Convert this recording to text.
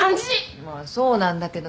まあそうなんだけどね。